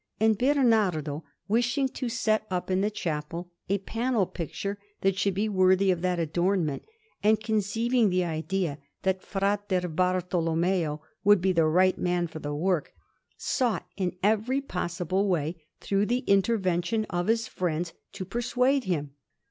And Bernardo, wishing to set up in the chapel a panel picture that should be worthy of that adornment, and conceiving the idea that Fra Bartolommeo would be the right man for the work, sought in every possible way, through the intervention of his friends, to persuade him.